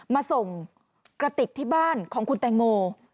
มาส่งกระติกที่บ้านของคุณแตงโม